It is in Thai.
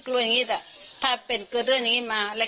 ก็เลยว่าพี่อย่าเพิ่งทำฉันเลย